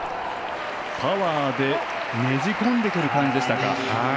パワーでねじ込んでくる感じでしたか。